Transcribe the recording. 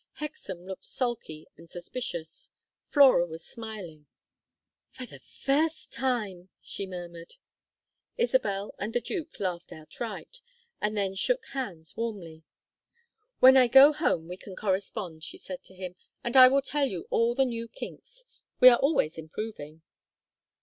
Hexam looked sulky and suspicious. Flora was smiling. "For the first time " she murmured. Isabel and the duke laughed outright, and then shook hands warmly. "When I go home we can correspond," she said to him, "and I will tell you all the new kinks. We are always improving."